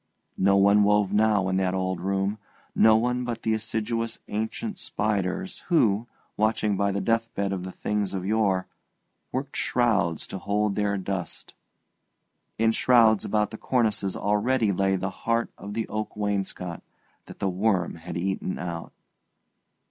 No one wove now in that old room no one but the assiduous ancient spiders who, watching by the deathbed of the things of yore, worked shrouds to hold their dust. In shrouds about the cornices already lay the heart of the oak wainscot that the worm had eaten out.